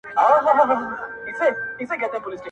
را ایستل یې رنګ په رنګ داسي ږغونه -